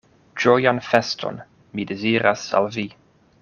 Ĝojan feston! (mi deziras al vi).